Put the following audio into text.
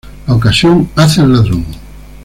La ocasión hace al ladrón